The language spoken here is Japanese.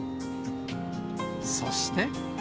そして。